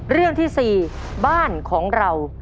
เรื่องที่๔บ้านของเรา